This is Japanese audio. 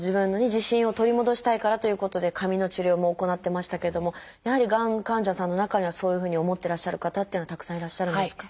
自信を取り戻したいからということで髪の治療も行ってましたけどもやはりがん患者さんの中にはそういうふうに思ってらっしゃる方っていうのはたくさんいらっしゃるんですか？